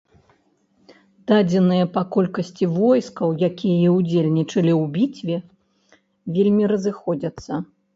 Дадзеныя па колькасці войскаў, якія ўдзельнічалі ў бітве, вельмі разыходзяцца.